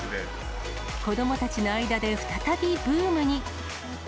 子どもたちの間で再びブームに。